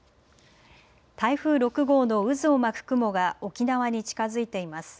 台風６号の渦を巻く雲が沖縄に近づいています。